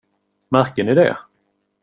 Märker ni det?